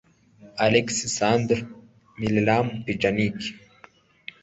Alex Sandro; Miralem Pjanic